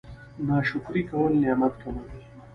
ناشکري کول نعمت کموي